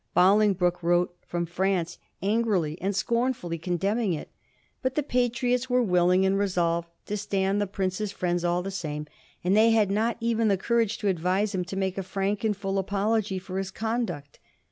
Bolingbroke wrote from France, angrily and scornfully condemning it. But the Patriots were willing, and resolved to stand the prince's friends all the same, and they had not even the courage to advise him to make a frank and full apology for his conduct.